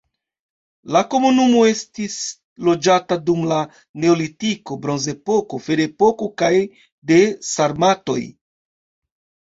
La komunumo estis loĝata dum la neolitiko, bronzepoko, ferepoko kaj de sarmatoj.